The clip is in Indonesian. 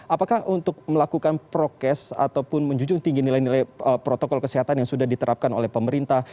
apakah untuk melakukan prokes ataupun menjunjung tinggi nilai nilai protokol kesehatan yang sudah diterapkan oleh pemerintah